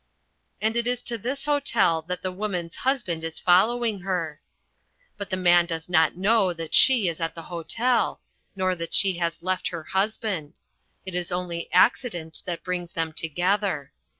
And it is to this hotel that The Woman's Husband is following her. But The Man does not know that she is in the hotel, nor that she has left her husband; it is only accident that brings them together.